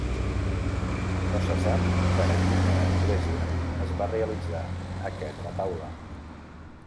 No se sap per a quina església es va realitzar aquest retaule.